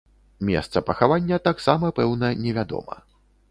Месца пахавання таксама пэўна не вядома.